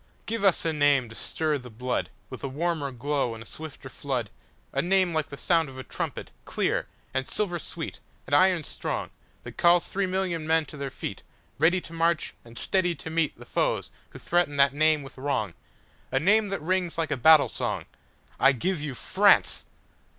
Give us a name to stir the bloodWith a warmer glow and a swifter flood,—A name like the sound of a trumpet, clear, And silver sweet, and iron strong, That calls three million men to their feet, Ready to march, and steady to meetThe foes who threaten that name with wrong,—A name that rings like a battle song.I give you France!